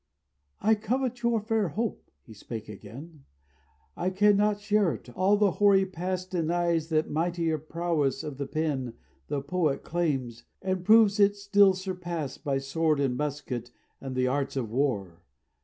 "I covet your fair hope," he spake again, "I cannot share it; all the hoary past Denies that mightier prowess of the pen The poet claims, and proves it still surpassed "By sword and musket and the arts of war.